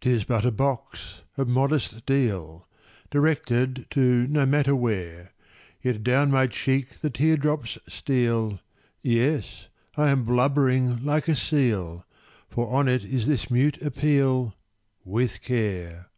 'TIS but a box, of modest deal; Directed to no matter where: Yet down my cheek the teardrops steal— Yes, I am blubbering like a seal; For on it is this mute appeal, "With care."